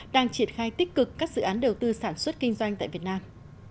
đang triển khai tích cực các dự án đầu tư sản xuất kinh doanh tại việt nam